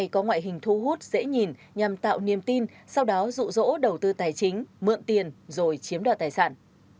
có ngoại hình thu hút dễ nhìn nhằm tạo niềm tin sau đó rụ rỗ đầu tư tài chính mượn tiền rồi chiếm đoạt tài sản